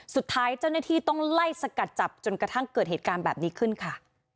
สุดท้ายเจ้าหน้าที่ต้องไล่สกัดจับจนกระทั่งเกิดเหตุการณ์แบบนี้ขึ้นค่ะ